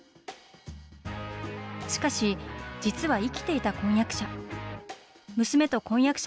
しかし、実は生きていた婚約者。